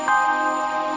sampai jumpa lagi